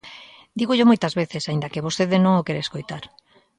Dígollo moitas veces, aínda que vostede non o quere escoitar.